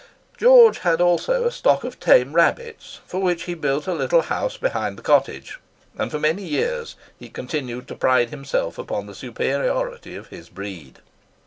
George had also a stock of tame rabbits, for which he built a little house behind the cottage, and for many years he continued to pride himself upon the superiority of his breed.